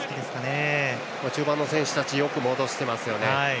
中盤の選手たちよく戻してましたね。